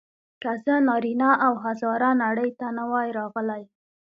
که زه نارینه او هزاره نړۍ ته نه وای راغلی.